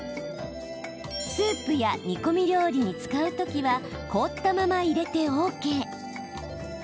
スープや煮込み料理に使うときは凍ったまま入れてＯＫ。